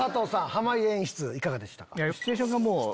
濱家演出いかがでしたか？